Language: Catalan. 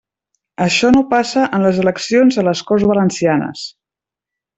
Això no passa en les eleccions a les Corts Valencianes.